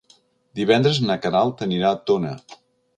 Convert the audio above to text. Divendres na Queralt anirà a Tona.